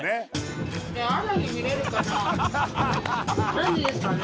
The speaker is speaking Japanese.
何時ですかね？